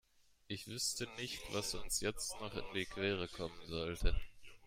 Ich wüsste nicht, was uns jetzt noch in die Quere kommen sollte.